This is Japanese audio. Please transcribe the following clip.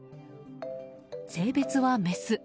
性別はメス。